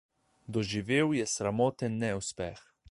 Doživel je sramoten neuspeh.